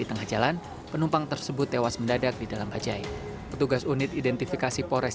di tengah jalan penumpang tersebut tewas mendadak di dalam bajai petugas unit identifikasi polres